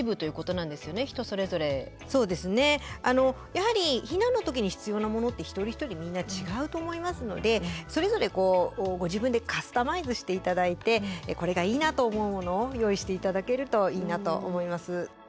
やはり避難の時に必要なものって一人一人みんな違うと思いますのでそれぞれご自分でカスタマイズして頂いてこれがいいなと思うものを用意して頂けるといいなと思います。